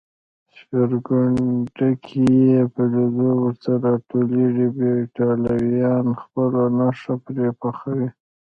سپېرکونډکې یې په لېدو ورته راټولېږي، بیا ایټالویان خپله نښه پرې پخوي.